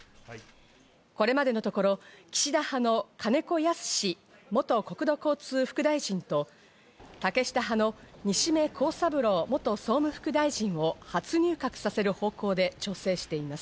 これまでのところ、岸田派の金子恭之元国土交通副大臣と竹下派の西銘恒三郎元総務副大臣を初入閣させる方向で調整しています。